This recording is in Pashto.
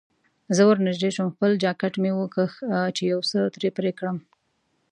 زه ورنژدې شوم، خپل جانکټ مې وکیښ چې یو څه ترې پرې کړم.